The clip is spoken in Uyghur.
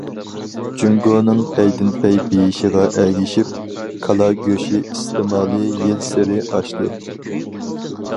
جۇڭگونىڭ پەيدىنپەي بېيىشىغا ئەگىشىپ، كالا گۆشى ئىستېمالى يىلسېرى ئاشتى.